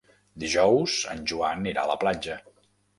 Dijous en Joan irà a la platja.